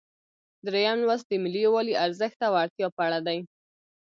دریم لوست د ملي یووالي ارزښت او اړتیا په اړه دی.